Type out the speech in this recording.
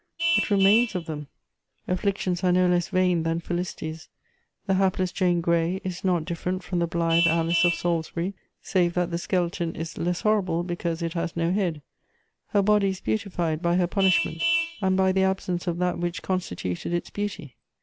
What remains of them? Afflictions are no less vain than felicities: the hapless Jane Grey is not different from the blithe Alice of Salisbury save that the skeleton is less horrible because it has no head; her body is beautified by her punishment and by the absence of that which constituted its beauty.